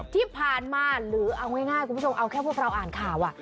ที่ผ่านมาหรือเอาง่ายคุณผู้ชมเอาแค่พวกเราอ่านข่าว